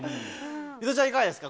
水卜ちゃん、いかがですか？